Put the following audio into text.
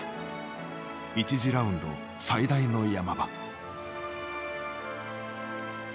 １次ラウンド最大の山場。